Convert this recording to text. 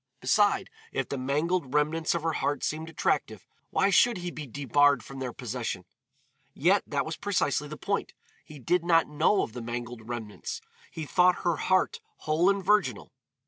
Beside, if the mangled remnants of her heart seemed attractive, why should he be debarred from their possession? Yet, that was precisely the point; he did not know of the mangled remnants, he thought her heart whole and virginal.